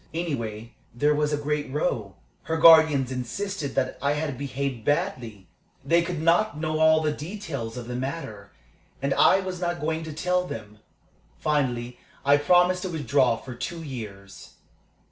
Anyway, there was a great row. Her guardians insisted that I had behaved badly. They could not know all the details of the matter, and I was not going to tell them. Finally I promised to withdraw for two years."